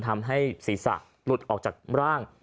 ทำให้ศีรษะหลุดออกจากร่าง